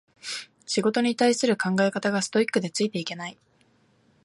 仕事に対する考え方がストイックでついていけない